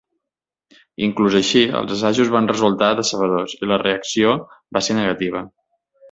Inclús així, els assajos van resultar decebedors i la reacció va ser negativa.